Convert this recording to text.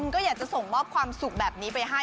ก็อยากจะส่งมอบความสุขแบบนี้ไปให้